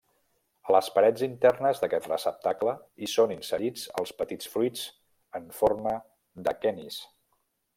A les parets internes d'aquest receptacle hi són inserits els petits fruits en forma d'aquenis.